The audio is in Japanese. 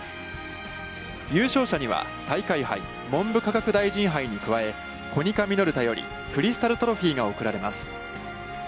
優勝者には大会杯、文部科学大臣杯に加えコニカミノルタよりクリスタルトロフィーが贈られます